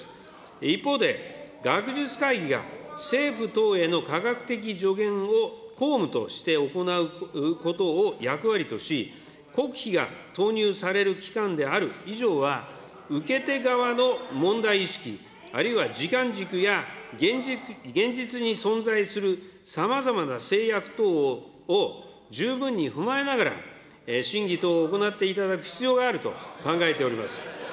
一方で学術会議が政府等への科学的助言を公務として行うことを役割とし、国費が投入される機関である以上は受け手側の問題意識、あるいは時間軸や現実に存在するさまざまな制約等を十分に踏まえながら、審議等を行っていただく必要があると考えております。